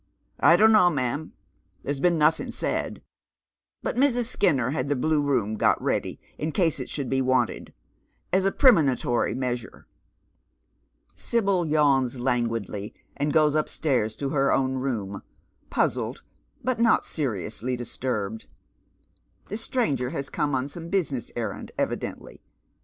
"" I don't know, ma'am. There's been notliing said, but Mrsi Skinner had the Blue Room got ready in case it should be wanted, as a premonitory measure." Sibyl yawns languidly, and goes upstairs to her own room, puzzled, but not seriously disturbed. This stranger has come on some business en and evidently.